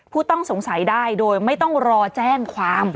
ผู้ต้องสงสัยได้โดยไม่ต้องรอแจ้งความ